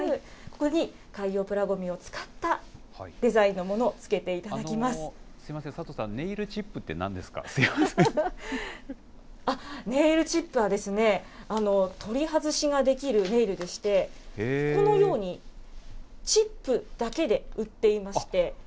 ここに海洋プラごみを使ったデザインのものすみません、佐藤さん、ネイルチップは、取り外しができるネイルでして、このようにチップだけで売っていまして。